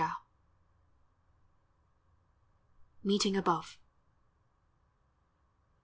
395 MEETING ABOVE.